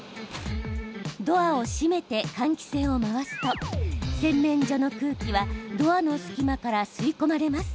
ドアを閉めて換気扇を回すと洗面所の空気はドアの隙間から吸い込まれます。